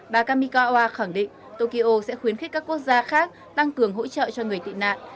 bà kamikawa khẳng định tokyo sẽ khuyến khích các quốc gia khác tăng cường hỗ trợ cho người tị nạn